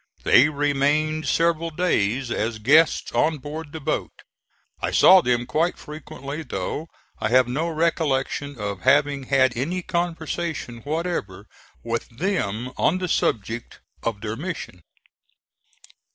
They remained several days as guests on board the boat. I saw them quite frequently, though I have no recollection of having had any conversation whatever with them on the subject of their mission.